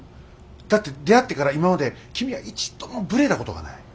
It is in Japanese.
だって出会ってから今まで君は一度もブレたことがない。